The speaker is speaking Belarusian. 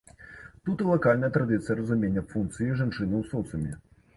Тут і лакальная традыцыя разумення функцый жанчыны ў соцыуме.